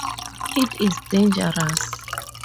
It is dangerous.